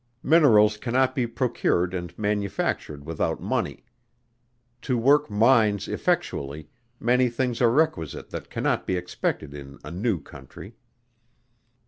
Minerals cannot be procured and manufactured without money. To work mines effectually, many things are requisite that cannot be expected in a new country.